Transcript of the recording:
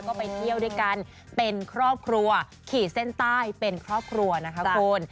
ก็ไปเที่ยวด้วยกันเป็นครอบครัวขี่เส้นใต้เป็นครอบครัวนะคะคุณ